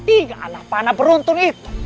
tiga anak panah beruntung itu